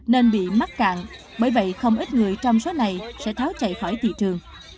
nên bị mắc cạn bởi vậy không ít người trong số này sẽ tháo chạy khỏi thị trường